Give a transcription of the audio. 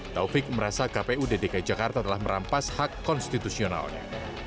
taufik merasa kpu dki jakarta telah merampas hak konstitusionalnya